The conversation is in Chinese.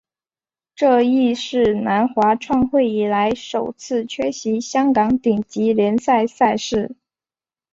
这亦是南华创会以来首次缺席香港顶级联赛赛事。